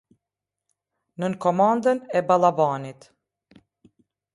Nën komandën e Ballabanit.